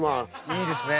いいですね。